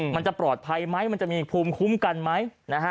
มันจะปลอดภัยไหมมันจะมีภูมิคุ้มกันไหม